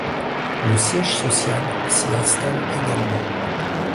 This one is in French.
Le siège social s'y installe également.